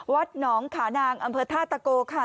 วัดหนองขานางอำเภอท่าตะโกค่ะ